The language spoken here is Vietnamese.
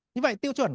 như vậy tiêu chuẩn